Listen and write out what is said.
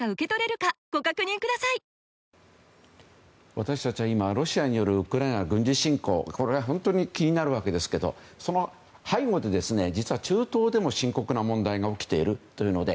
私たちはロシアによるウクライナ軍事侵攻これは本当に気になるわけですけどその背後で実は中東でも深刻な問題が起きているので